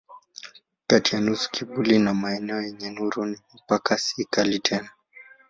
Kati ya nusu kivuli na maeneo yenye nuru mpaka si kali tena.